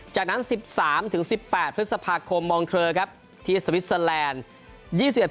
จากนั้น๑๓๑๘พฤษภาคมมองเทอร์ครับที่สวิสเตอร์แลนด์